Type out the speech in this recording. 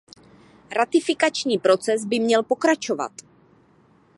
Ratifikační proces by měl pokračovat.